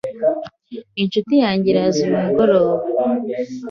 Inshuti yanjye iraza uyu mugoroba.